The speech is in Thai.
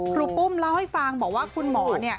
รูปุ้มเล่าให้ฟังบอกว่าคุณหมอเนี่ย